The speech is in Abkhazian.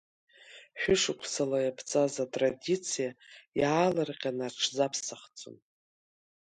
Шәышықәсала иаԥҵаз атрадициа иаалырҟьаны аҽзаԥсахӡом.